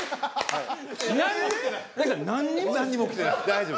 大丈夫。